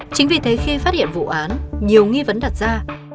chính vì thế khi phát hiện vụ án nhiều nghi vấn đặt ra